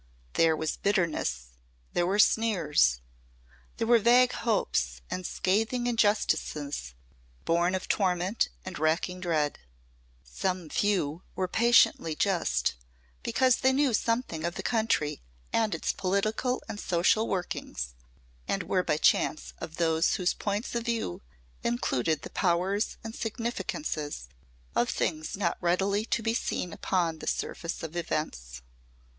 There was bitterness, there were sneers, there were vague hopes and scathing injustices born of torment and racking dread. Some few were patiently just, because they knew something of the country and its political and social workings and were by chance of those whose points of view included the powers and significances of things not readily to be seen upon the surface of events.